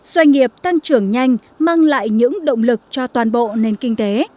doanh nghiệp tăng trưởng nhanh mang lại những động lực cho toàn bộ nền kinh tế